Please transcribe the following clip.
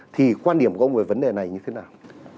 thì quan điểm của ông về vấn đề này như thế nào